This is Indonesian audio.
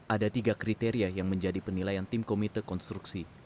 ada tiga kriteria yang menjadi penilaian tim komite konstruksi